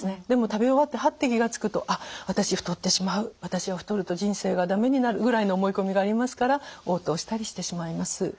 でも食べ終わってハッて気が付くとあっ私太ってしまう私は太ると人生が駄目になるぐらいの思い込みがありますからおう吐をしたりしてしまいます。